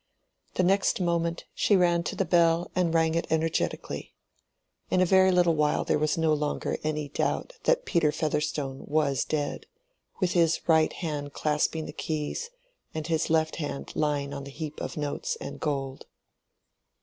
The next moment she ran to the bell and rang it energetically. In a very little while there was no longer any doubt that Peter Featherstone was dead, with his right hand clasping the keys, and his left hand lying on the heap of notes and gold.